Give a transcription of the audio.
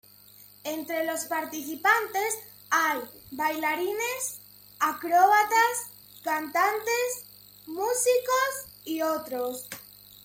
Entre los participantes hay bailarines, acróbatas, cantantes, músicos y otros.